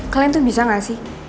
kalian tuh bisa gak sih